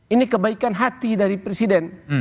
ini kebaikan hati dari presiden